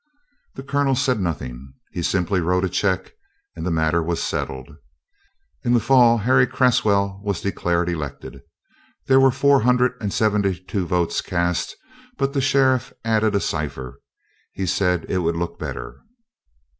The Colonel said nothing. He simply wrote a check and the matter was settled. In the Fall Harry Cresswell was declared elected. There were four hundred and seventy two votes cast but the sheriff added a cipher. He said it would look better.